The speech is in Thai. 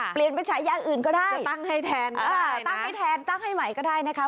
เปลี่ยนเป็นฉายาอื่นก็ได้ตั้งให้แทนตั้งให้แทนตั้งให้ใหม่ก็ได้นะคะ